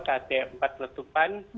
kriteria empat lutupan